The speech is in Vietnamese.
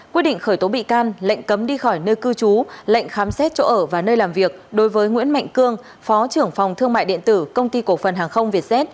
quyết định khởi tố bị can lệnh cấm đi khỏi nơi cư trú lệnh khám xét chỗ ở và nơi làm việc đối với nguyễn mạnh cương phó trưởng phòng thương mại điện tử công ty cổ phần hàng không việt z